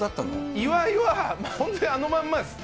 岩井は、本当にあのまんまですね。